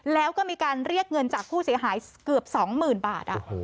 แล้วก็มีการเรียกเงินจากผู้เสียหายเกือบ๒๐๐๐บาท